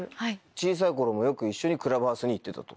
小さい頃もよく一緒にクラブハウスに行ってたと。